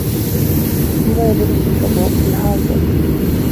هو يدرس الحقوق في هارفرد.